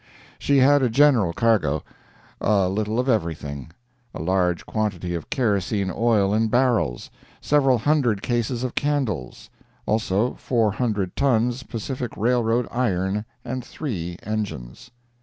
She had a general cargo—a little of everything; a large quantity of kerosene oil in barrels; several hundred cases of candles—also four hundred tons Pacific Railroad iron and three engines.